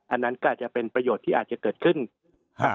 อันนั้นก็อาจจะเป็นประโยชน์ที่อาจจะเกิดขึ้นครับ